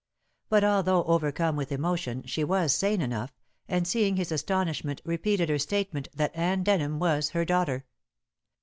But although overcome with emotion, she was sane enough, and seeing his astonishment repeated her statement that Anne Denham was her daughter.